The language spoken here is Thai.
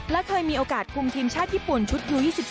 และเคยมีโอกาสคุมทีมชาติญี่ปุ่นชุดยู๒๒